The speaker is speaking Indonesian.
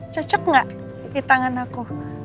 cocok nggak di tangan aku